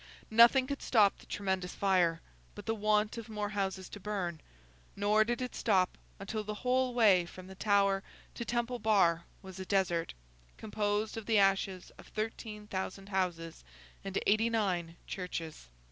Nothing could stop the tremendous fire, but the want of more houses to burn; nor did it stop until the whole way from the Tower to Temple Bar was a desert, composed of the ashes of thirteen thousand houses and eighty nine churches.